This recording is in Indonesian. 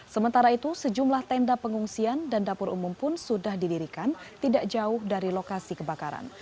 sementara itu sejumlah tenda pengungsian dan dapur umum pun sudah didirikan tidak jauh dari lokasi kebakaran